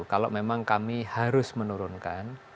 kalau memang kami harus menurunkan